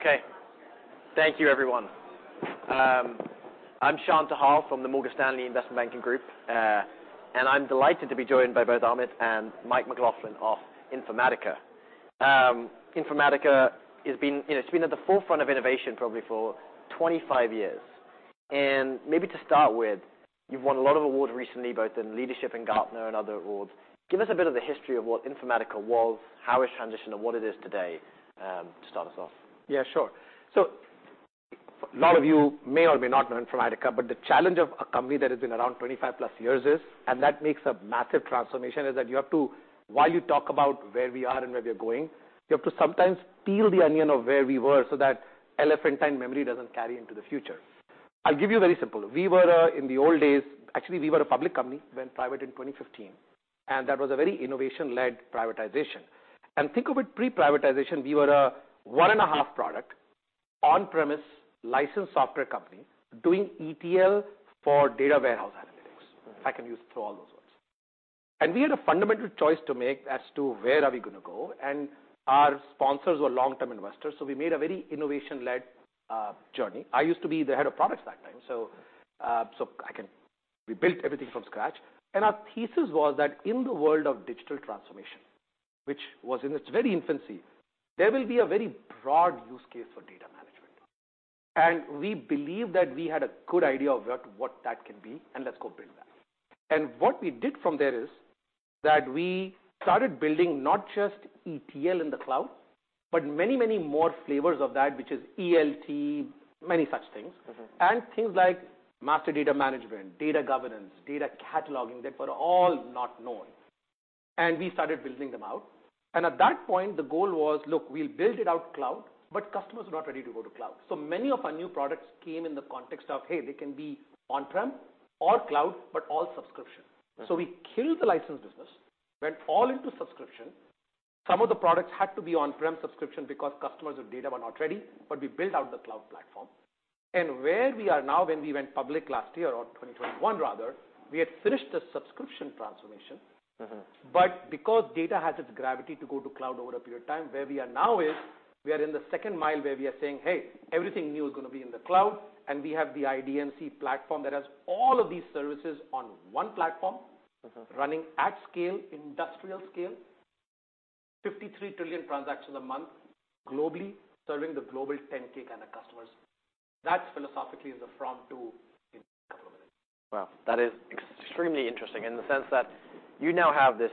Okay. Thank you, everyone. I'm Shaan Tehal from the Morgan Stanley Investment Banking Group. I'm delighted to be joined by both Amit and Mike McLaughlin of Informatica. Informatica has been, you know, it's been at the forefront of innovation probably for 25 years. Maybe to start with, you've won a lot of awards recently, both in leadership in Gartner and other awards. Give us a bit of the history of what Informatica was, how it's transitioned and what it is today, to start us off. Yeah, sure. A lot of you may or may not know Informatica, but the challenge of a company that has been around 25+ years is, and that makes a massive transformation, is that you have to... While you talk about where we are and where we are going, you have to sometimes peel the onion of where we were so that elephantine memory doesn't carry into the future. I'll give you a very simple. We were, in the old days, actually, we were a public company, went private in 2015, and that was a very innovation-led privatization. Think of it pre-privatization, we were a 1.5 Product, on-premise licensed software company doing ETL for data warehouse analytics, if I can use through all those words. We had a fundamental choice to make as to where are we gonna go, and our sponsors were long-term investors, so we made a very innovation-led journey. I used to be the head of products that time, so. We built everything from scratch. Our thesis was that in the world of digital transformation, which was in its very infancy, there will be a very broad use case for data management. We believe that we had a good idea of what that can be, and let's go build that. What we did from there is, that we started building not just ETL in the cloud, but many, many more flavors of that, which is ELT, many such things. Mm-hmm. Things like master data management, data governance, data cataloging, that were all not known. We started building them out. At that point, the goal was, look, we'll build it out cloud, but customers are not ready to go to cloud. Many of our new products came in the context of, hey, they can be on-prem or cloud, but all subscription. Mm. We killed the license business, went all into subscription. Some of the products had to be on-prem subscription because customers with data were not ready, but we built out the cloud platform. Where we are now, when we went public last year or 2021 rather, we had finished the subscription transformation. Mm-hmm. Because data has its gravity to go to cloud over a period of time, where we are now is we are in the second mile where we are saying, "Hey, everything new is gonna be in the cloud," and we have the IDMC platform that has all of these services on one platform. Mm-hmm Running at scale, industrial scale, 53 trillion transactions a month globally, serving the Global 10K kind of customers. That philosophically is the from-to in two minutes. Wow. That is extremely interesting in the sense that you now have this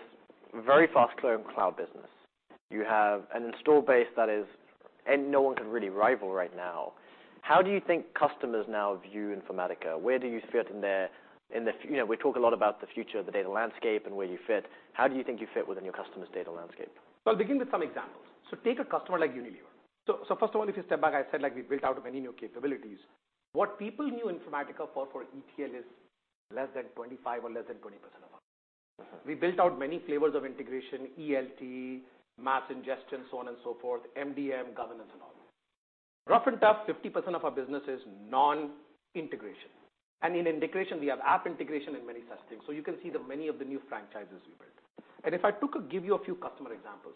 very fast-growing cloud business. You have an install base that is... No one can really rival right now. How do you think customers now view Informatica? Where do you fit in there? You know, we talk a lot about the future of the data landscape and where you fit. How do you think you fit within your customers' data landscape? I'll begin with some examples. Take a customer like Unilever. First of all, if you step back, I said, like, we've built out many new capabilities. What people knew Informatica for ETL is less than 25% or less than 20% of our business. Mm-hmm. We built out many flavors of integration, ELT, mass ingestion, so on and so forth, MDM, governance, and all that. Rough and tough, 50% of our business is non-integration. In integration, we have Application Integration and many such things. You can see the many of the new franchises we built. If I give you a few customer examples.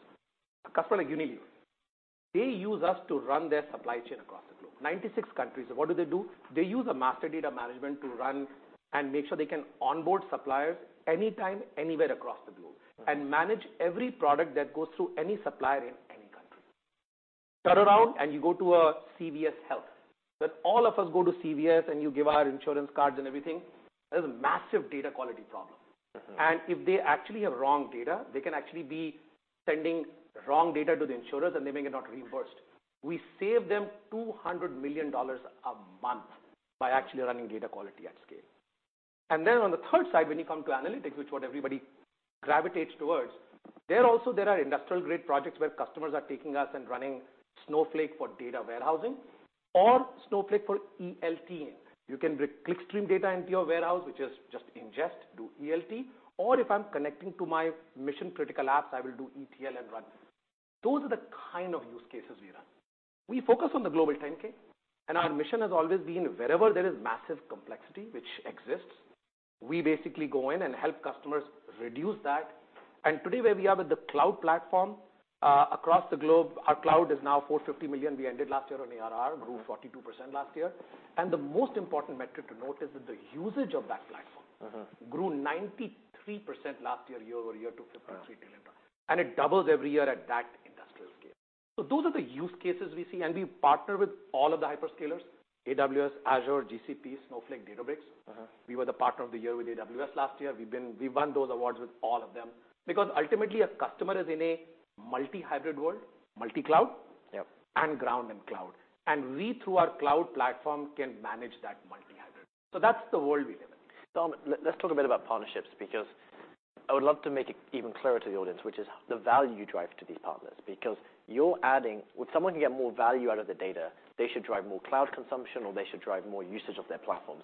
A customer like Unilever, they use us to run their supply chain across the globe. 96 countries. What do they do? They use a master data management to run and make sure they can onboard suppliers anytime, anywhere across the globe. Mm. Manage every product that goes through any supplier in any country. Turn around, you go to a CVS Health. When all of us go to CVS, you give our insurance cards and everything, there's a massive data quality problem. Mm-hmm. If they actually have wrong data, they can actually be sending wrong data to the insurers, and they may get not reimbursed. We save them $200 million a month by actually running data quality at scale. On the third side, when you come to analytics, which what everybody gravitates towards, there also there are industrial-grade projects where customers are taking us and running Snowflake for data warehousing or Snowflake for ELT-ing. You can bring clickstream data into your warehouse, which is just ingest, do ELT, or if I'm connecting to my mission-critical apps, I will do ETL and run. Those are the kind of use cases we run. We focus on the Global 10K. Our mission has always been wherever there is massive complexity which exists, we basically go in and help customers reduce that. Today, where we are with the cloud platform, across the globe, our cloud is now $450 million we ended last year on ARR, grew 42% last year. The most important metric to note is that the usage of that platform. Mm-hmm Grew 93% last year year-over-year to $53 trillion. Wow. It doubles every year at that industrial scale. Those are the use cases we see, and we partner with all of the hyperscalers, AWS, Azure, GCP, Snowflake, Databricks. Mm-hmm. We were the partner of the year with AWS last year. We won those awards with all of them. Ultimately, a customer is in a multi-hybrid world, multi-cloud. Yep And ground and cloud. We, through our cloud platform, can manage that multi-hybrid. That's the world we live in. Let's talk a bit about partnerships, because I would love to make it even clearer to the audience, which is the value you drive to these partners. When someone can get more value out of the data, they should drive more cloud consumption, or they should drive more usage of their platforms.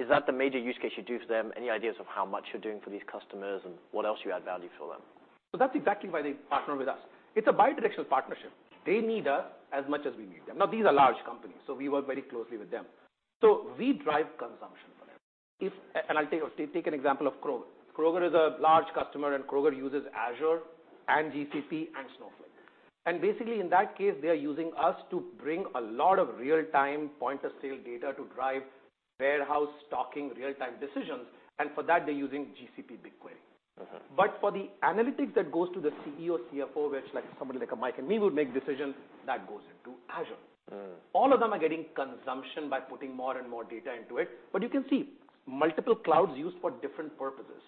Is that the major use case you do for them? Any ideas of how much you're doing for these customers and what else you add value for them? That's exactly why they partner with us. It's a bidirectional partnership. They need us as much as we need them. These are large companies, so we work very closely with them. We drive consumption for them. I'll tell you, take an example of Kroger. Kroger is a large customer, and Kroger uses Azure and GCP and Snowflake. Basically, in that case, they are using us to bring a lot of real-time point-of-sale data to drive warehouse stocking real-time decisions, and for that they're using GCP BigQuery. Mm-hmm. For the analytics that goes to the CEO, CFO, which like somebody like Mike and me would make decisions, that goes into Azure. Mm. All of them are getting consumption by putting more and more data into it. You can see multiple clouds used for different purposes.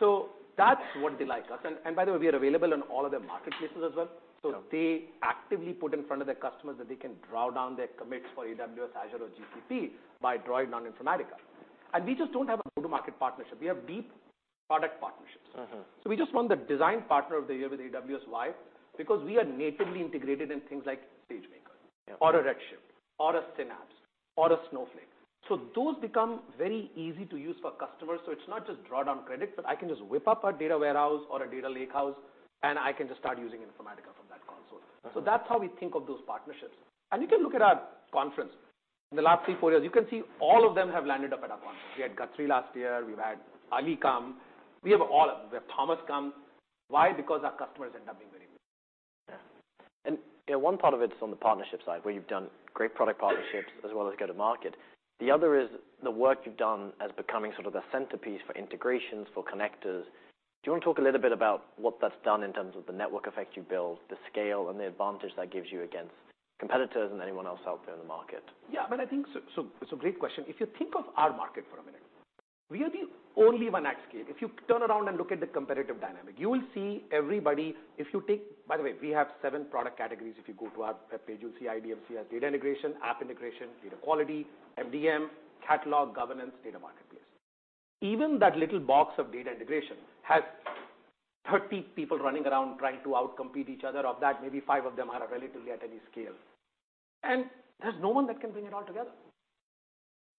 That's what they like us. By the way, we are available on all of their marketplaces as well. Yeah. They actively put in front of their customers that they can draw down their commits for AWS, Azure or GCP by drawing on Informatica. We just don't have a go-to-market partnership. We have deep product partnerships. Mm-hmm. We just won the design partner of the year with AWS. Why? Because we are natively integrated in things like SageMaker. Yeah Or a Redshift or a Synapse or a Snowflake. Those become very easy to use for customers. It's not just draw down credit, but I can just whip up a data warehouse or a data lakehouse, and I can just start using Informatica from that console. Mm-hmm. That's how we think of those partnerships. You can look at our conference. In the last three, four years, you can see all of them have landed up at our conference. We had Guthrie last year. We've had Ali come. We have all of them. We have Thomas come. Why? Because our customers end up being very. Yeah. You know, one part of it is on the partnership side, where you've done great product partnerships as well as go to market. The other is the work you've done as becoming sort of the centerpiece for integrations, for connectors. Do you wanna talk a little bit about what that's done in terms of the network effect you've built, the scale and the advantage that gives you against competitors and anyone else out there in the market? Yeah. I think it's a great question. If you think of our market for a minute, we are the only one at scale. If you turn around and look at the competitive dynamic, you will see everybody. By the way, we have seven product categories. If you go to our webpage, you'll see IDMC has Data Integration, Application Integration, Data Quality, MDM, Catalog, Governance, Data Marketplace. Even that little box of Data Integration has 30 people running around trying to out-compete each other. Of that, maybe five of them are relatively at any scale. There's no one that can bring it all together.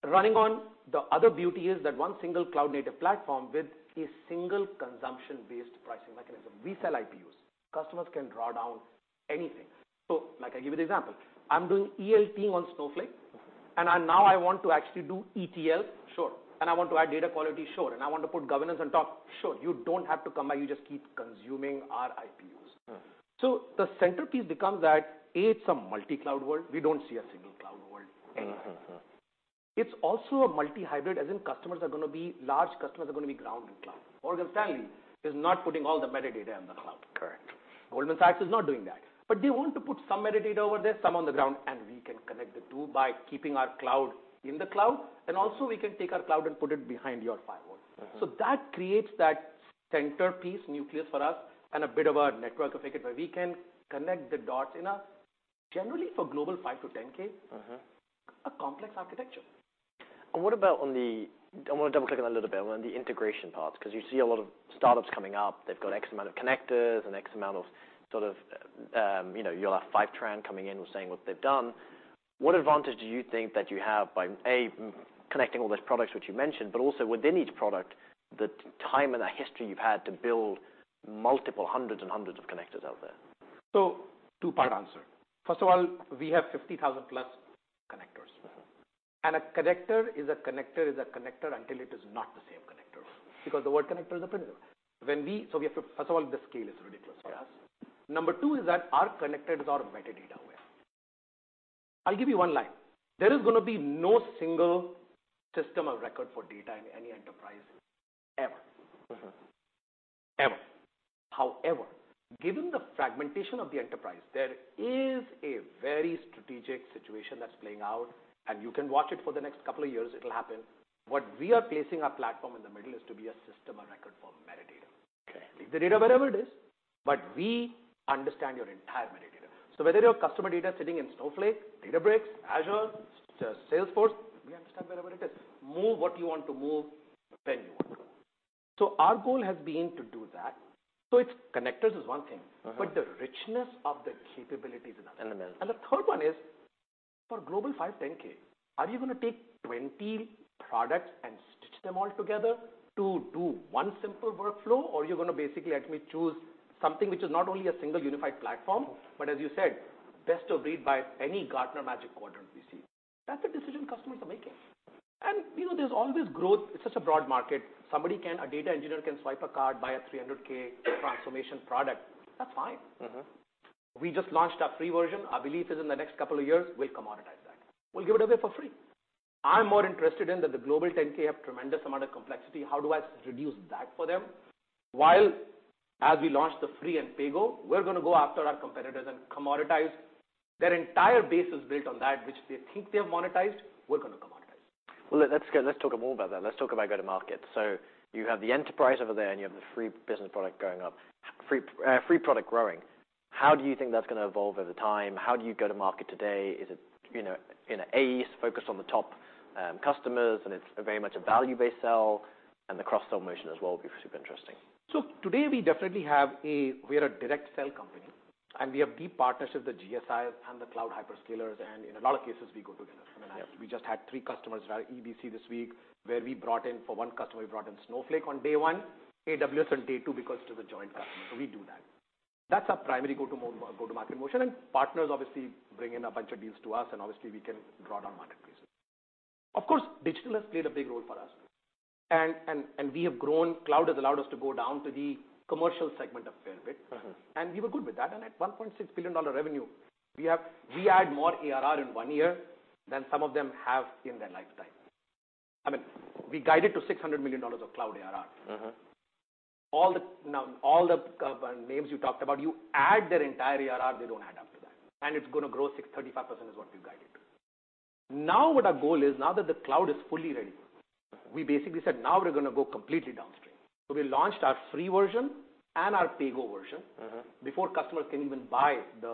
The other beauty is that one single cloud-native platform with a single consumption-based pricing mechanism. We sell IPUs. Customers can draw down anything. Like I give you the example, I'm doing ELT on Snowflake. Mm-hmm... and I now I want to actually do ETL. Sure. I want to add Data Quality. Sure. I want to put governance on top. Sure. You don't have to come back. You just keep consuming our IPUs. Mm. The centerpiece becomes that, A, it's a multi-cloud world. We don't see a single cloud world anywhere. Mm-hmm, mm-hmm. It's also a multi-hybrid, as in customers are gonna be, large customers are gonna be ground and cloud. Morgan Stanley is not putting all the metadata in the cloud. Correct. Goldman Sachs is not doing that. They want to put some metadata over there, some on the ground, and we can connect the two by keeping our cloud in the cloud, and also we can take our cloud and put it behind your firewall. Mm-hmm. That creates that centerpiece nucleus for us and a bit of a network effect where we can connect the dots enough, generally for global 5,000-10,000. Mm-hmm A complex architecture. What about, I want to double-click on that a little bit on the integration part, 'cause you see a lot of startups coming up. They've got X amount of connectors and X amount of sort of, you know, you'll have Fivetran coming in saying what they've done. What advantage do you think that you have by, A, connecting all those products which you mentioned, but also within each product, the time and the history you've had to build multiple hundreds and hundreds of connectors out there? Two-part answer. First of all, we have 50,000+ connectors. Mm-hmm. A connector is a connector is a connector until it is not the same connector. The word connector is a printer. We have to, first of all, the scale is ridiculous for us. Yeah. Number two is that our connector is our metadata aware. I'll give you one line. There is gonna be no single system of record for data in any enterprise ever. Mm-hmm. Ever. However, given the fragmentation of the enterprise, there is a very strategic situation that's playing out, and you can watch it for the next couple of years, it'll happen. What we are placing our platform in the middle is to be a system of record for metadata. Okay. Take the data wherever it is, but we understand your entire metadata. Whether your customer data is sitting in Snowflake, Databricks, Azure, Salesforce, we understand wherever it is. Move what you want to move when you want to move. Our goal has been to do that. It's connectors is one thing. Mm-hmm The richness of the capabilities is another. In the middle. The third one is for global 5,000, 10,000, are you gonna take 20 products and stitch them all together to do one simple workflow, or you're gonna basically let me choose something which is not only a single unified platform, but as you said, best of breed by any Gartner Magic Quadrant we see? That's a decision customers are making. You know, there's all this growth. It's such a broad market. Somebody can, a data engineer can swipe a card, buy a $300,000 transformation product. That's fine. Mm-hmm. We just launched our free version. Our belief is in the next couple of years, we'll commoditize that. We'll give it away for free. I'm more interested in that the Global 10,000 have tremendous amount of complexity. How do I reduce that for them? While as we launch the free and pay-go, we're gonna go after our competitors and commoditize. Their entire base is built on that which they think they have commoditized, we're gonna commoditize. Well, let's go, let's talk more about that. Let's talk about go-to-market. You have the enterprise over there, and you have the free product growing. How do you think that's gonna evolve over time? How do you go to market today? Is it, you know, A, is focused on the top customers and it's very much a value-based sell and the cross-sell motion as well would be super interesting. Today we're a direct sell company, and we have deep partnerships with GSIs and the cloud hyperscalers, and in a lot of cases we go together. Yeah. We just had three customers, right, EBC this week, where we brought in, for one customer, we brought in Snowflake on day one, AWS on day two because it was a joint customer. We do that. That's our primary go-to-market motion. Partners obviously bring in a bunch of deals to us, and obviously we can draw down marketplaces. Of course, digital has played a big role for us. We have grown. cloud has allowed us to go down to the commercial segment a fair bit. Mm-hmm. We were good with that. At $1.6 billion revenue, we add more ARR in one year than some of them have in their lifetime. I mean, we guided to $600 million of cloud ARR. Mm-hmm. All the names you talked about, you add their entire ARR, they don't add up to that. It's gonna grow 635% is what we guided. What our goal is, now that the cloud is fully ready, we basically said, "Now we're gonna go completely downstream." We launched our free version and our pay-go version. Mm-hmm Before customers can even buy the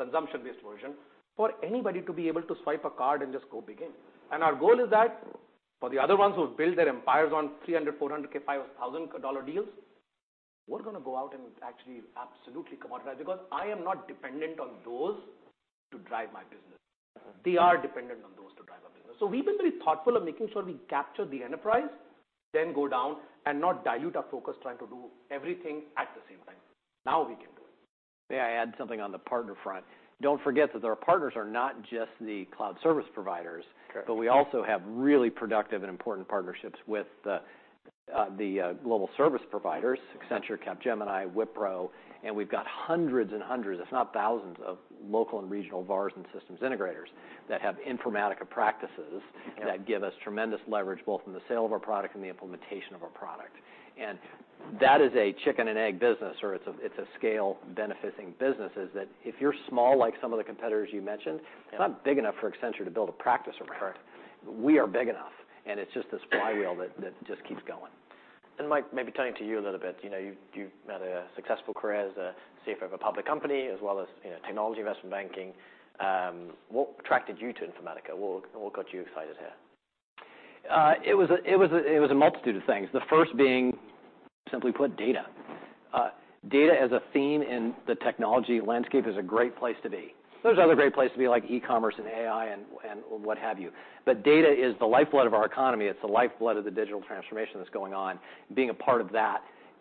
consumption-based version, for anybody to be able to swipe a card and just go begin. Our goal is that for the other ones who have built their empires on $300,000, $400,000, $500,000 deals, we're gonna go out and actually absolutely commoditize because I am not dependent on those to drive my business. Mm-hmm. They are dependent on those to drive our business. We've been very thoughtful of making sure we capture the enterprise, then go down and not dilute our focus trying to do everything at the same time. We can do it. May I add something on the partner front? Don't forget that our partners are not just the cloud service providers. Correct We also have really productive and important partnerships with the global service providers, Accenture, Capgemini, Wipro, and we've got hundreds, if not thousands, of local and regional VARs and systems integrators that have Informatica practices. Yeah That give us tremendous leverage both in the sale of our product and the implementation of our product. That is a chicken and egg business, or it's a scale benefiting businesses, that if you're small, like some of the competitors you mentioned. Yeah You're not big enough for Accenture to build a practice around. Correct. We are big enough, and it's just this flywheel that just keeps going. Mike, maybe turning to you a little bit. You know, you've had a successful career as a CFO of a public company as well as, you know, technology investment banking. What attracted you to Informatica? What got you excited here? It was a multitude of things. The first being, simply put, data. Data as a theme in the technology landscape is a great place to be. There's other great places to be like e-commerce and AI and what have you, but data is the lifeblood of our economy. It's the lifeblood of the digital transformation that's going on. Being a part of that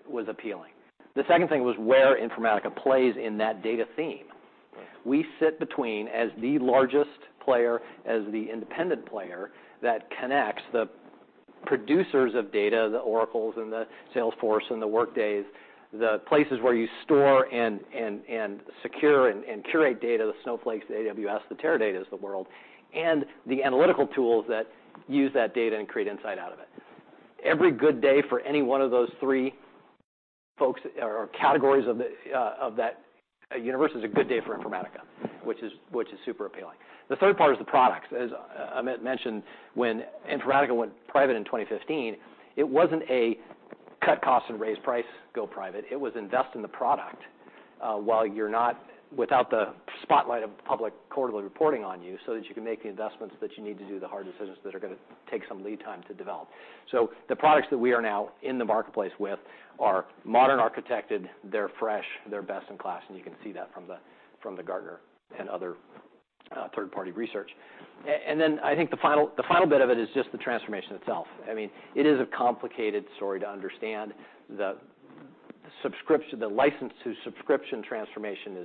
was appealing. The second thing was where Informatica plays in that data theme. Right. We sit between as the largest player, as the independent player that connects the producers of data, the Oracle and the Salesforce and the Workday, the places where you store and secure and curate data, the Snowflake, the AWS, the Teradata of the world, and the analytical tools that use that data and create insight out of it. Every good day for any one of those three folks or categories of the of that universe is a good day for Informatica, which is super appealing. The third part is the products. As Amit mentioned, when Informatica went private in 2015, it wasn't a cut costs and raise price, go private. It was invest in the product, without the spotlight of public quarterly reporting on you, so that you can make the investments that you need to do the hard decisions that are gonna take some lead time to develop. The products that we are now in the marketplace with are modern architected, they're fresh, they're best in class, and you can see that from the Gartner and other third party research. I think the final bit of it is just the transformation itself. I mean, it is a complicated story to understand. The license to subscription transformation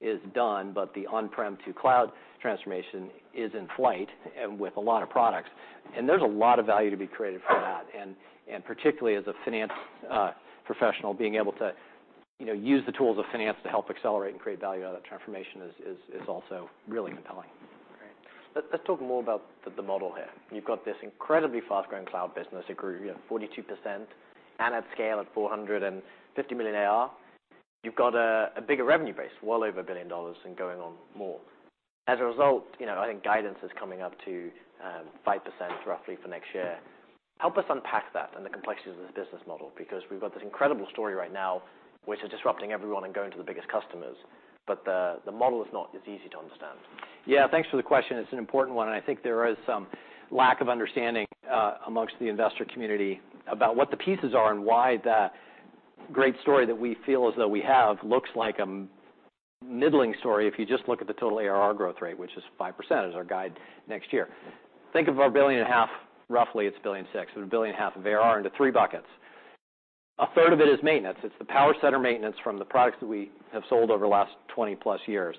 is done, but the on-prem to cloud transformation is in flight and with a lot of products, and there's a lot of value to be created from that. Particularly as a finance professional, being able to, you know, use the tools of finance to help accelerate and create value out of transformation is also really compelling. Great. Let's talk more about the model here. You've got this incredibly fast-growing cloud business. It grew, you know, 42% and at scale at $450 million ARR. You've got a bigger revenue base, well over $1 billion and going on more. As a result, you know, I think guidance is coming up to 5% roughly for next year. Help us unpack that and the complexities of this business model, because we've got this incredible story right now, which is disrupting everyone and going to the biggest customers, but the model is not as easy to understand. Yeah. Thanks for the question. It's an important one, and I think there is some lack of understanding amongst the investor community about what the pieces are and why the great story that we feel as though we have looks like a middling story if you just look at the total ARR growth rate, which is 5% is our guide next year. Think of our billion and a half, roughly it's $1.6 billion or a billion and a half of ARR into three buckets. A third of it is maintenance. It's the power center maintenance from the products that we have sold over the last 20+ years.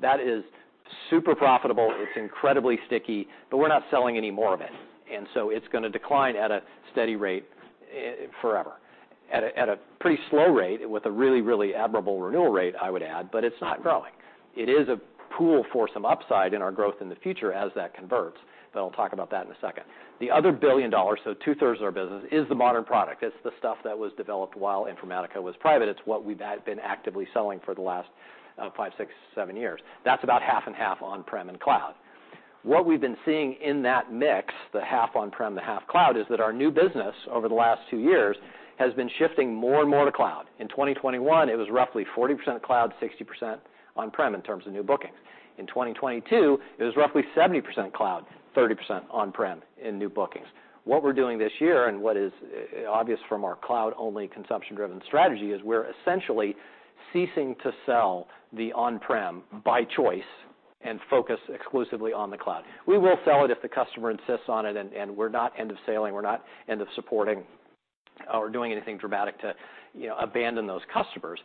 That is super profitable, it's incredibly sticky, but we're not selling any more of it. It's gonna decline at a steady rate forever. At a pretty slow rate with a really admirable renewal rate, I would add. It's not growing. It is a pool for some upside in our growth in the future as that converts. I'll talk about that in a second. The other $1 billion. Two-thirds of our business is the modern product. It's the stuff that was developed while Informatica was private. It's what we've been actively selling for the last five, six, seven years. That's about half and half on-prem and cloud. What we've been seeing in that mix, the half on-prem, the half cloud, is that our new business over the last two years has been shifting more and more to cloud. In 2021, it was roughly 40% cloud, 60% on-prem in terms of new bookings. In 2022, it was roughly 70% cloud, 30% on-prem in new bookings. What we're doing this year and what is obvious from our cloud-only consumption-driven strategy is we're essentially ceasing to sell the on-prem by choice. Focus exclusively on the cloud. We will sell it if the customer insists on it, and we're not end of selling, we're not end of supporting or doing anything dramatic to, you know, abandon those customers.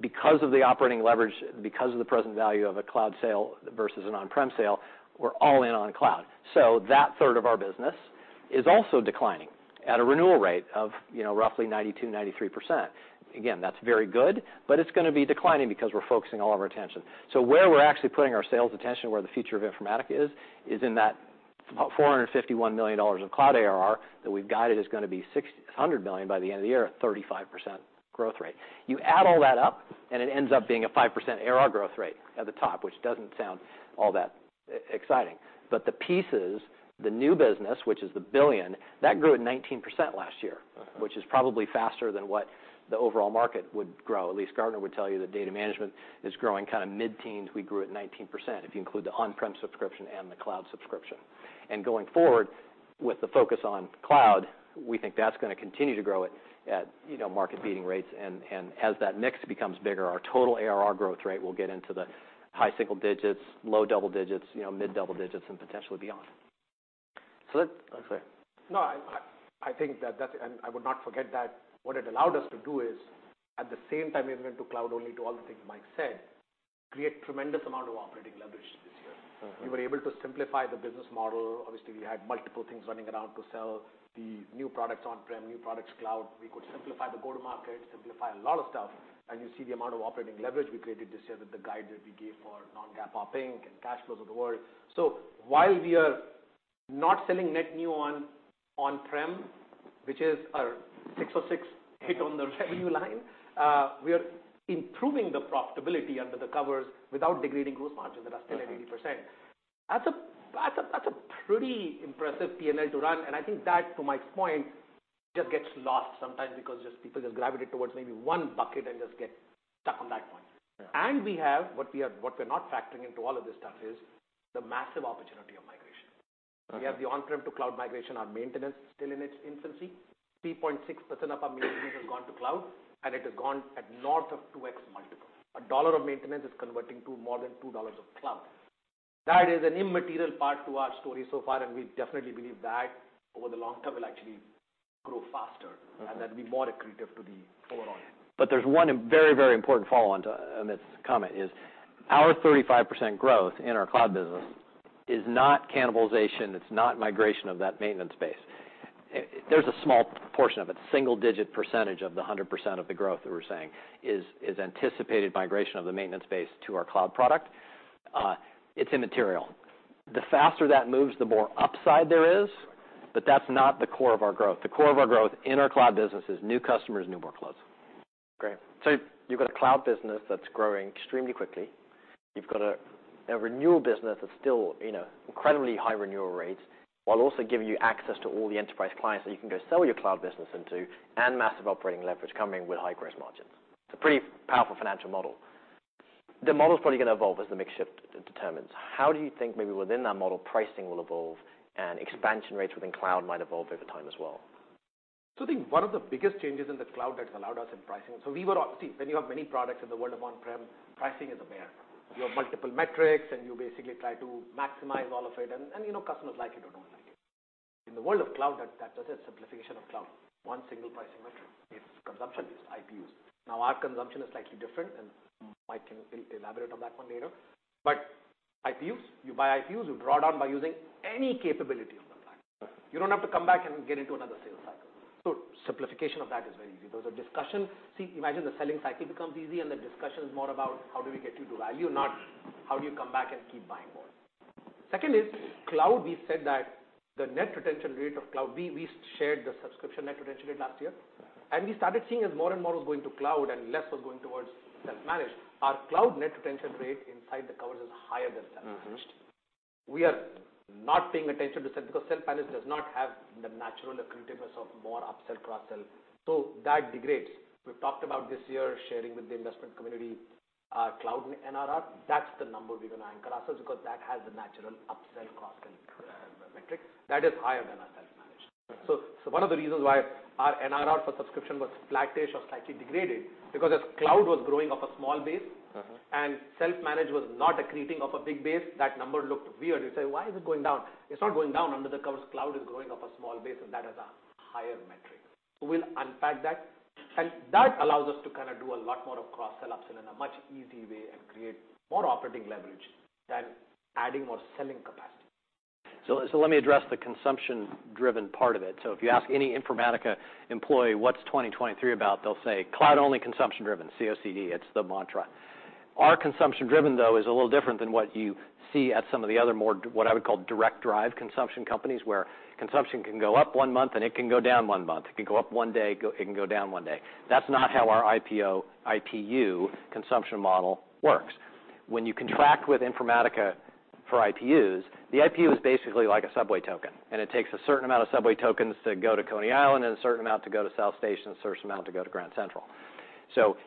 Because of the operating leverage, because of the present value of a cloud sale versus an on-prem sale, we're all in on cloud. That third of our business is also declining at a renewal rate of, you know, roughly 92%-93%. Again, that's very good, but it's gonna be declining because we're focusing all of our attention. Where we're actually putting our sales attention, where the future of Informatica is in that about $451 million of cloud ARR that we've guided is gonna be $600 million by the end of the year at 35% growth rate. You add all that up, it ends up being a 5% ARR growth rate at the top, which doesn't sound all that exciting. The pieces, the new business, which is the $1 billion, that grew at 19% last year. Mm-hmm. Which is probably faster than what the overall market would grow. At least Gartner would tell you that data management is growing kind of mid-teens. We grew at 19%, if you include the on-prem subscription and the cloud subscription. Going forward, with the focus on cloud, we think that's gonna continue to grow at, you know, market-beating rates. As that mix becomes bigger, our total ARR growth rate will get into the high single digits, low double digits, you know, mid-double digits, and potentially beyond. Okay. No, I think. I would not forget that what it allowed us to do is, at the same time we went to cloud only do all the things Mike said, create tremendous amount of operating leverage this year. Mm-hmm. We were able to simplify the business model. Obviously, we had multiple things running around to sell the new products on-prem, new products cloud. We could simplify the go-to-market, simplify a lot of stuff, and you see the amount of operating leverage we created this year that the guide that we gave for non-GAAP, OPEX, and cash flows of the world. While we are not selling net new on-prem, which is our ASC 606 hit on the revenue line, we are improving the profitability under the covers without degrading gross margins that are still at 80%. Mm-hmm. That's a pretty impressive P&L to run, and I think that, to Mike's point, just gets lost sometimes because just people just gravitate towards maybe one bucket and just get stuck on that point. Yeah. What we're not factoring into all of this stuff is the massive opportunity of migration. Okay. We have the on-prem to cloud migration, our maintenance still in its infancy. 3.6% of our maintenance has gone to cloud, and it has gone at north of 2x multiple. $1 of maintenance is converting to more than $2 of cloud. That is an immaterial part to our story so far, and we definitely believe that over the long term will actually grow faster. Mm-hmm. be more accretive to the overall. There's one very, very important follow-on to Amit's comment, is our 35% growth in our cloud business is not cannibalization. It's not migration of that maintenance base. There's a small portion of it. Single-digit percentage of the 100% of the growth that we're saying is anticipated migration of the maintenance base to our cloud product. It's immaterial. The faster that moves, the more upside there is. Right. That's not the core of our growth. The core of our growth in our cloud business is new customers, new workloads. Great. You've got a cloud business that's growing extremely quickly. You've got a renewal business that's still, you know, incredibly high renewal rates, while also giving you access to all the enterprise clients that you can go sell your cloud business into, and massive operating leverage coming with high gross margins. It's a pretty powerful financial model. The model's probably gonna evolve as the mix shift determines. How do you think maybe within that model pricing will evolve and expansion rates within cloud might evolve over time as well? I think one of the biggest changes in the cloud that has allowed us in pricing. When you have many products in the world of on-prem, pricing is a bear. You have multiple metrics, and you basically try to maximize all of it and, you know, customers like you don't want to like it. In the world of cloud, that does a simplification of cloud. One single pricing metric. It's consumption, it's IPUs. Now, our consumption is slightly different, and Mike can elaborate on that one later. IPUs, you buy IPUs, you draw down by using any capability of the cloud. You don't have to come back and get into another sales cycle. Simplification of that is very easy. Those are discussions. See, imagine the selling cycle becomes easy and the discussion's more about how do we get you to value, not how do you come back and keep buying more. Second is cloud, we said that the net retention rate of cloud, we shared the subscription net retention rate last year. Mm-hmm. We started seeing as more and more was going to cloud and less was going towards self-managed, our cloud net retention rate inside the covers is higher than self-managed. Mm-hmm. We are not paying attention to self because self-managed does not have the natural accretiveness of more upsell, cross-sell. That degrades. We've talked about this year sharing with the investment community our cloud NRR. That's the number we're gonna anchor ourselves because that has the natural upsell, cross-sell, metrics. That is higher than our self-managed. Mm-hmm. One of the reasons why our NRR for subscription was flattish or slightly degraded, because as cloud was growing off a small base. Mm-hmm. and self-managed was not accreting off a big base, that number looked weird. You say, "Why is it going down?" It's not going down. Under the covers, cloud is growing off a small base, and that has a higher metric. We'll unpack that. That allows us to kind of do a lot more of cross-sell, upsell in a much easy way and create more operating leverage than adding more selling capacity. Let me address the consumption-driven part of it. If you ask any Informatica employee what's 2023 about, they'll say cloud-only consumption driven, COCD. It's the mantra. Our consumption driven, though, is a little different than what you see at some of the other more, what I would call, direct drive consumption companies, where consumption can go up one month and it can go down one month. It can go up one day, it can go down one day. That's not how our IPU consumption model works. When you contract with Informatica for IPUs, the IPU is basically like a subway token, and it takes a certain amount of subway tokens to go to Coney Island and a certain amount to go to South Station, a certain amount to go to Grand Central.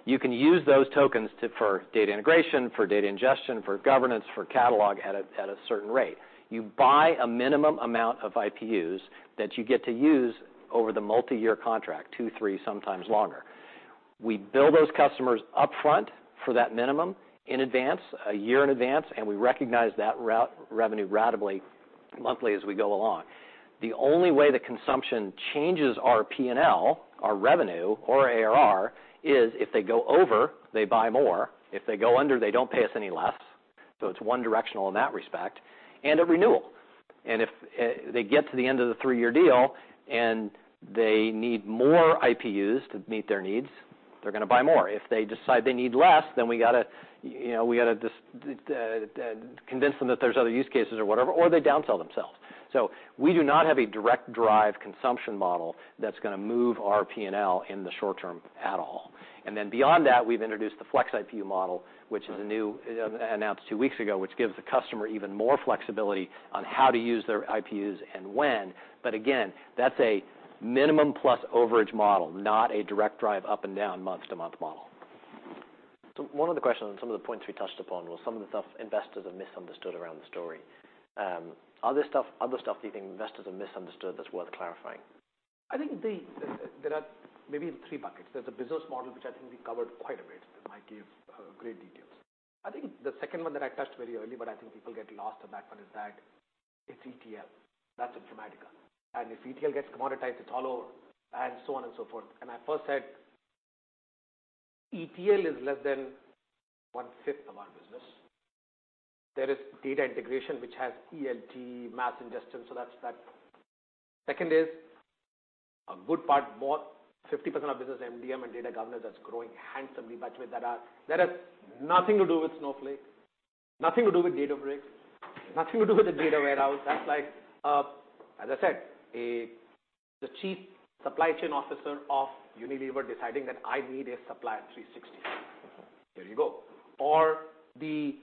You can use those tokens for data integration, for data ingestion, for governance, for catalog at a certain rate. You buy a minimum amount of IPUs that you get to use over the multi-year contract, two, three, sometimes longer. We bill those customers upfront for that minimum in advance, a year in advance, and we recognize that revenue ratably monthly as we go along. The only way the consumption changes our P&L, our revenue or ARR is if they go over, they buy more. If they go under, they don't pay us any less. It's one directional in that respect and a renewal. If they get to the end of the three-year deal and they need more IPUs to meet their needs, they're gonna buy more. If they decide they need less, then we gotta, you know, we gotta just convince them that there's other use cases or whatever, or they downsell themselves. We do not have a direct drive consumption model that's gonna move our P&L in the short term at all. Beyond that, we've introduced the Flex IPU model, which is a new, announced two weeks ago, which gives the customer even more flexibility on how to use their IPUs and when. Again, that's a minimum plus overage model, not a direct drive up and down month-to-month model. One of the questions and some of the points we touched upon was some of the stuff investors have misunderstood around the story. Other stuff do you think investors have misunderstood that's worth clarifying? I think there are maybe three buckets. There's a business model which I think we covered quite a bit that Mike gave great details. I think the second one that I touched very early, but I think people get lost on that one, is that it's ETL. That's in Informatica. If ETL gets commoditized, it's all over and so on and so forth. I first said ETL is less than 1/5 of our business. There is Data Integration, which has ELT mass ingestion, so that's that. Second is a good part, more 50% of business MDM and data governance that's growing handsomely, by the way, that has nothing to do with Snowflake, nothing to do with Databricks, nothing to do with the data warehouse. That's like, as I said, the chief supply chain officer of Unilever deciding that I need a supply at 360. There you go. Or the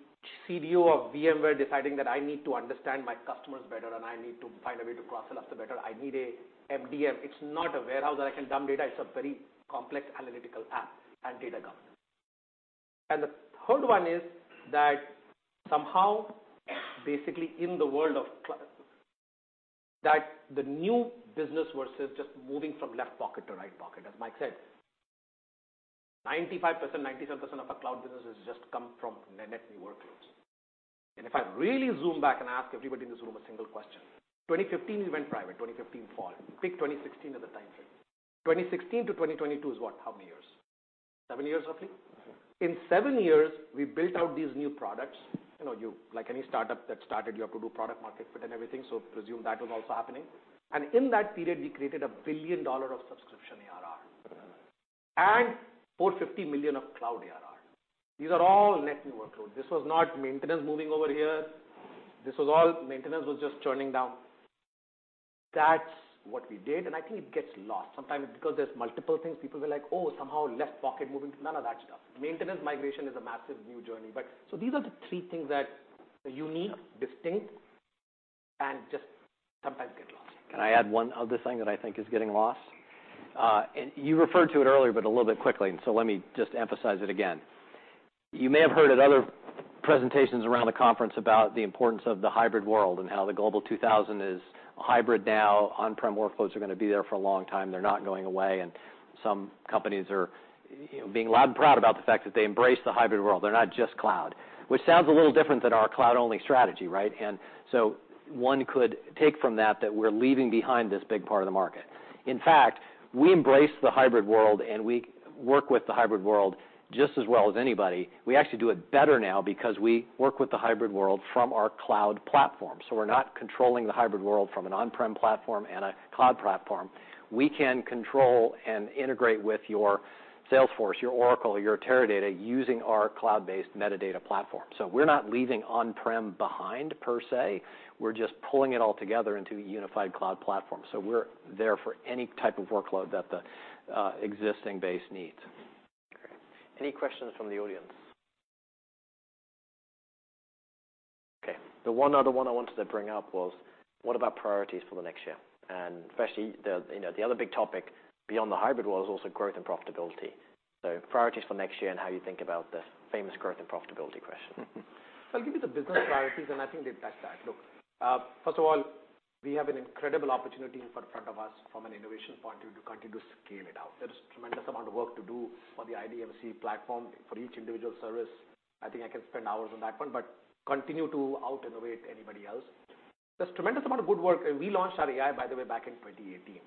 CDO of VMware deciding that I need to understand my customers better and I need to find a way to cross-sell us better. I need a MDM. It's not a warehouse that I can dump data. It's a very complex analytical app and data governance. The third one is that somehow basically in the world of cloud, that the new business versus just moving from left pocket to right pocket, as Mike said, 95%, 97% of our cloud business has just come from net new workloads. If I really zoom back and ask everybody in this room a single question, 2015 we went private, 2015 fall. Pick 2016 as a time frame. 2016 to 2022 is what? How many years? Seven years roughly. In seven years, we built out these new products. You know, like any startup that started, you have to do product market fit and everything. Presume that was also happening. In that period, we created $1 billion of subscription ARR and $450 million of cloud ARR. These are all net new workload. This was not maintenance moving over here. This was all maintenance was just churning down. That's what we did. I think it gets lost sometimes because there's multiple things. People were like, "Oh, somehow left pocket moving." None of that stuff. Maintenance migration is a massive new journey. These are the three things that are unique, distinct, and just sometimes get lost. Can I add one other thing that I think is getting lost? You referred to it earlier, but a little bit quickly, so let me just emphasize it again. You may have heard at other presentations around the conference about the importance of the hybrid world and how the Global 2000 is hybrid now. on-prem workloads are gonna be there for a long time. They're not going away. Some companies are, you know, being loud and proud about the fact that they embrace the hybrid world. They're not just cloud, which sounds a little different than our cloud-only strategy, right? One could take from that we're leaving behind this big part of the market. In fact, we embrace the hybrid world, and we work with the hybrid world just as well as anybody. We actually do it better now because we work with the hybrid world from our cloud platform. We're not controlling the hybrid world from an on-prem platform and a cloud platform. We can control and integrate with your Salesforce, your Oracle, your Teradata using our cloud-based metadata platform. We're not leaving on-prem behind per se. We're just pulling it all together into a unified cloud platform. We're there for any type of workload that the existing base needs. Any questions from the audience? Okay. The one other one I wanted to bring up was what about priorities for the next year? Especially the, you know, the other big topic beyond the hybrid world is also growth and profitability. Priorities for next year and how you think about the famous growth and profitability question. I'll give you the business priorities, and I think they back that. Look, first of all, we have an incredible opportunity in front of us from an innovation point of view to continue to scale it out. There is tremendous amount of work to do on the IDMC platform for each individual service. I think I can spend hours on that one, but continue to out-innovate anybody else. There's tremendous amount of good work. We launched our AI, by the way, back in 2018.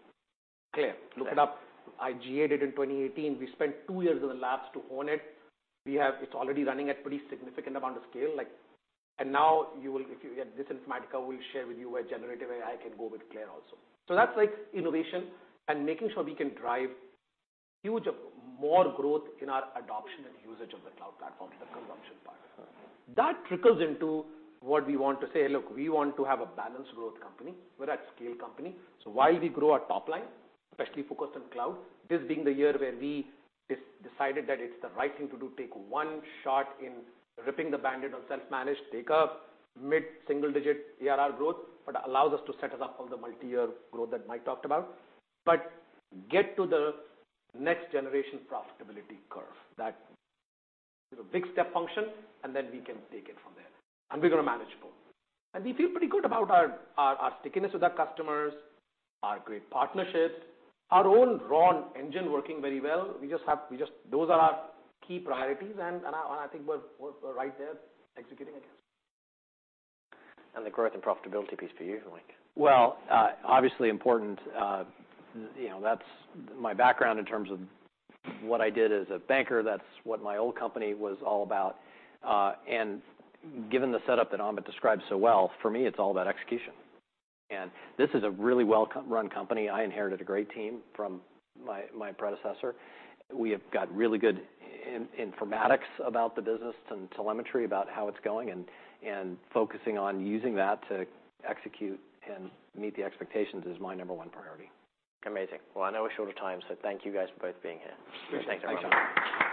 CLAIRE, look it up. IGA did in 2018. We spent two years in the labs to hone it. It's already running at pretty significant amount of scale, like. Now if you get this Informatica, we'll share with you where generative AI can go with CLAIRE also. That's like innovation and making sure we can drive huge, more growth in our adoption and usage of the cloud platform, the consumption part. That trickles into what we want to say, look, we want to have a balanced growth company. We're a scale company. While we grow our top line, especially focused on cloud, this being the year where we decided that it's the right thing to do, take one shot in ripping the bandaid on self-managed, take a mid-single-digit ARR growth, allows us to set us up for the multi-year growth that Mike talked about. Get to the next generation profitability curve. That is a big step function, and then we can take it from there. We're gonna manage both. We feel pretty good about our stickiness with our customers, our great partnerships, our own raw engine working very well. Those are our key priorities, and I think we're right there executing against. The growth and profitability piece for you, Mike. Well, obviously important. You know, that's my background in terms of what I did as a banker. That's what my old company was all about. Given the setup that Amit described so well, for me, it's all about execution. This is a really well-run company. I inherited a great team from my predecessor. We have got really good in-informatics about the business and telemetry about how it's going and focusing on using that to execute and meet the expectations is my number 1 priority. Amazing. Well, I know we're short of time, so thank you guys for both being here. Thanks, everyone.